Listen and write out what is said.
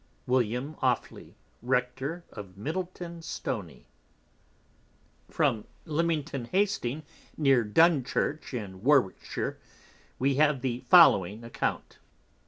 William Offley, Rector of Middleton Stony. From Leamington Hasting, near Dun Church in Warwickshire, _we have the following Account.